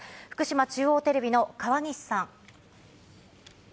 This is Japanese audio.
福島中央テレビの河岸さん。